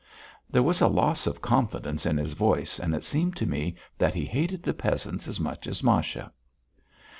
There was a loss of confidence in his voice, and it seemed to me that he hated the peasants as much as Masha.